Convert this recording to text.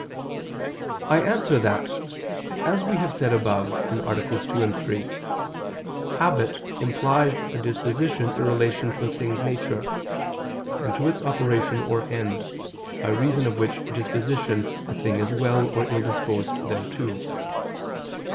I answer that, As we have said above (AA. 2, 3), habit implies a disposition in relation to a thing's nature, and to its operation or end, by reason of which disposition a thing is well or ill disposed thereto.